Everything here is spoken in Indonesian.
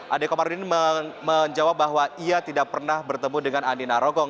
ade komarudin menjawab bahwa ia tidak pernah bertemu dengan andi narogong